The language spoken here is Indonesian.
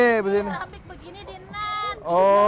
keramik begini di ngenat